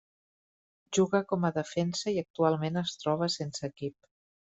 Juga com a defensa i actualment es troba sense equip.